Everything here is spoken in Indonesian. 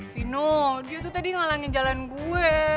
fino dia tuh tadi ngalangin jalan gue